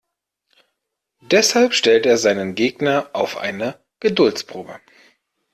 Deshalb stellt er seinen Gegner auf eine Geduldsprobe.